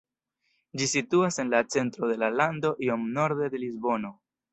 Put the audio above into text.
Ĝi situas en la centro de la lando iom norde de Lisbono.